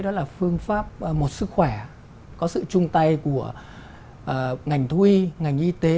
đó là phương pháp một sức khỏe có sự chung tay của ngành thú y ngành y tế